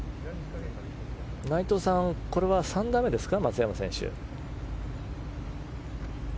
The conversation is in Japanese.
内藤さんこれは３打目ですか？